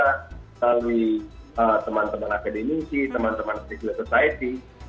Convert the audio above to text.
melalui teman teman akademisi teman teman civil society